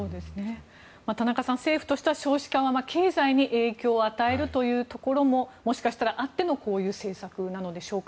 田中さん、政府としては少子化が経済に影響を与えるというところももしかしたらあってのこういう政策なんでしょうか？